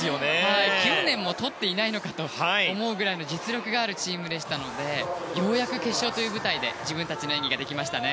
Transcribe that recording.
９年もとっていないのかと思う実力があるチームでしたのでようやく決勝という舞台で自分たちの演技ができましたね。